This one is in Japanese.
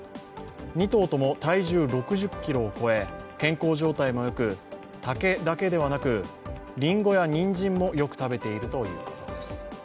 ２頭とも、体重６０ｋｇを超え健康状態も良く竹だけではなく、りんごやにんじんもよく食べているということです。